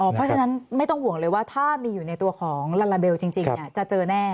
เพราะฉะนั้นไม่ต้องห่วงเลยว่าถ้ามีอยู่ในตัวของลาลาเบลจริงจะเจอแน่